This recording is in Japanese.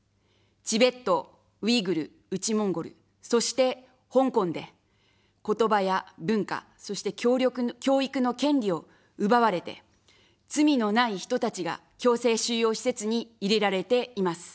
チベット、ウイグル、内モンゴル、そして、香港で、言葉や文化、そして教育の権利を奪われて、罪のない人たちが強制収容施設に入れられています。